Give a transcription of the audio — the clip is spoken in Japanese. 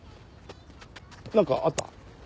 なんかあった？